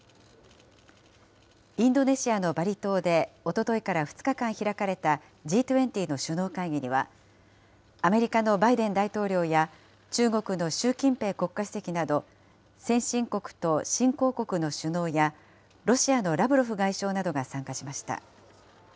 インドネシアのバリ島でおとといから２日間開かれたＧ２０の首脳会議には、アメリカのバイデン大統領や中国の習近平国家主席など、先進国と新興国の首脳や、ロシアのラブロフ外相などが参加しました。